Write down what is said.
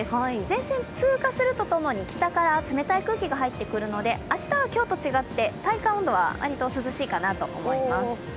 前線通過するとともに北から冷たい空気が入ってくるので明日は今日と違って体感温度は涼しいかなと思います。